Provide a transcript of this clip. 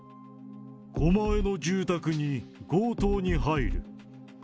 狛江の住宅に強盗に入る。